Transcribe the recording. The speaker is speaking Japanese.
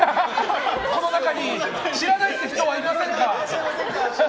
この中に知らないって人はいませんか？